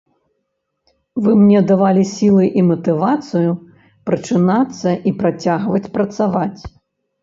Вы мне давалі сілы і матывацыю прачынацца і працягваць працаваць.